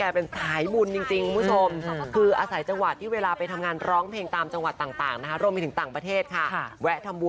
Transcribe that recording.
เพื่อยอมการจงถึกกระเป๋า